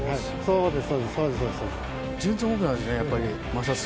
そうです。